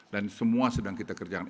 dan semua sedang kita kerjakan